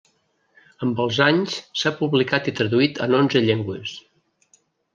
Amb els anys s'ha publicat i traduït en onze llengües.